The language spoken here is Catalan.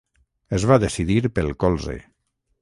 Es va decidir pel colze.